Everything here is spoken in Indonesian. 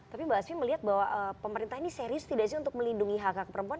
tapi mbak asfi melihat bahwa pemerintah ini serius tidak sih untuk melindungi hak hak perempuan